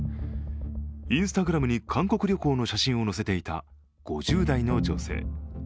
Ｉｎｓｔａｇｒａｍに韓国旅行の写真を載せていた５０代の女性。